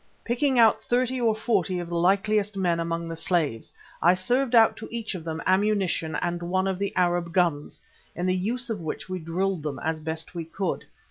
Picking out thirty or forty of the likeliest men among the slaves, I served out to each of them ammunition and one of the Arab guns, in the use of which we drilled them as best we could.